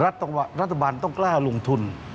รัฐบาลต้องกล้าลงทุน